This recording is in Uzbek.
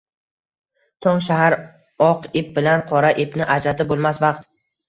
Tong sahar — oq ip bilan qora ipni ajratib bo‘lmas vaqt.